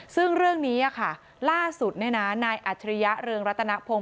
ซึ่งเรื่องนี้ล่าสุดนายอัจฉริยะเรืองรัตนพงศ